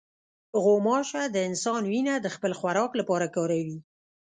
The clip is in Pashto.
غوماشه د انسان وینه د خپل خوراک لپاره کاروي.